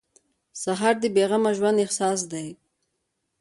سهار د بې غمه ژوند احساس دی.